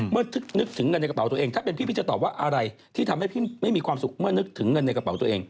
นึกถึงเงินในกระเป๋าตัวเองถ้าเป็นพี่พี่จะตอบว่าอะไรที่ทำให้พี่ไม่มีความสุขเมื่อนึกถึงเงินในกระเป๋าตัวเอง